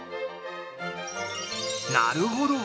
なるほど。